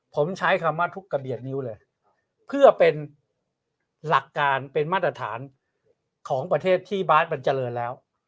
ผมใช้คำว่าทุกกระเบียดนิ้วเลยเพื่อเป็นหลักการเป็นมาตรฐานของประเทศที่บาร์ดมันเจริญแล้ว